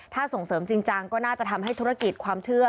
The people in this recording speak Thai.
ถ้าส่งเสริมจริงจังก็น่าจะทำให้ธุรกิจความเชื่อ